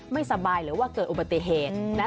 ไม่สบายหรือว่าเกิดอุบัติเหตุ